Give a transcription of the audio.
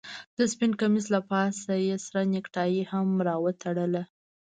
د سپين کميس له پاسه يې سره نيكټايي هم راوتړله.